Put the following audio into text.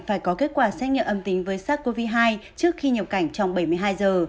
phải có kết quả xét nghiệm âm tính với sars cov hai trước khi nhập cảnh trong bảy mươi hai giờ